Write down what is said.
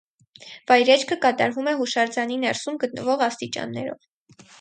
Վայրեջքը կատարվում է հուշարձանի ներսում գտնվող աստիճաններով։